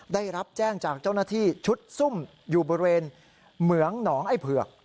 ได้รับแจ้งจากเจ้าหน้าที่ชุดซุ่มอยู่บริเวณเหมืองหนองไอ้เผือก